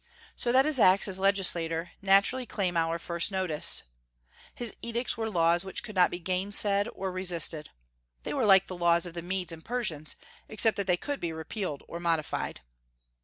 So that his acts as legislator naturally claim our first notice. His edicts were laws which could not be gainsaid or resisted. They were like the laws of the Medes and Persians, except that they could be repealed or modified.